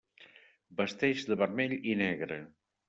Vesteix de vermell i negre.